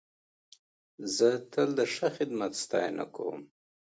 زه تل د ښه خدمت ستاینه کوم.